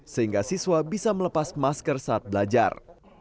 sehingga siswa bisa melepas masker saat belajar